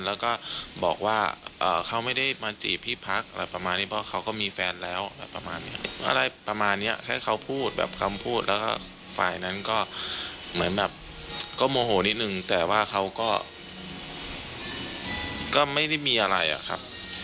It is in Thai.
แล้วก็บอกว่าเขาไม่ได้มาจีบพี่พักอะไรประมาณนี้เพราะเขาก็มีแฟนแล้วอะไรประมาณนี้อะไรประมาณนี้แค่เขาพูดแบบคำพูดแล้วก็ฝ่ายนั้นก็เหมือนแบบก็โมโหนิดนึงแต่ว่าเขาก็ไม่ได้มีอะไรอะครับ